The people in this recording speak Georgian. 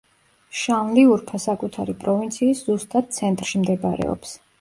შანლიურფა საკუთარი პროვინციის ზუსტად ცენტრში მდებარეობს.